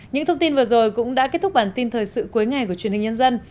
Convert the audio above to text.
những thông tin vừa rồi cũng đã kết thúc bản tin thời sự cuối ngày của truyền hình nhân dân